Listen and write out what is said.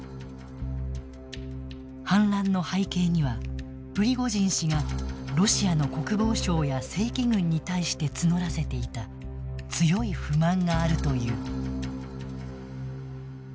反乱の背景にはプリゴジン氏がロシアの国防省や正規軍に対して募らせていた強い不満があるという。